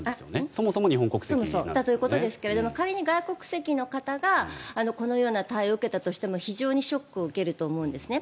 そういうことですが仮に外国籍の方がこのような対応を受けたとしても非常にショックを受けると思うんですね。